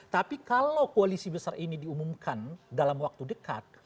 tapi kalau koalisi besar ini diumumkan dalam waktu dekat